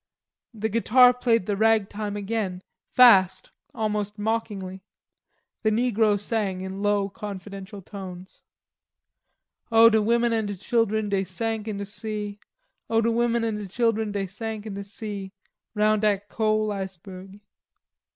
The guitar played the rag time again, fast, almost mockingly. The negro sang in low confidential tones. "O de women an' de chilen dey sank in de sea. O de women an' de chilen dey sank in de sea, Roun' dat cole iceberg."